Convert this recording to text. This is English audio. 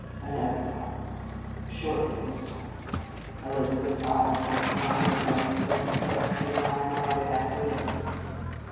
Another pause, a short one this time. Elizabeth s eyes met mine with an unspoken question, and I nodded acquiescence.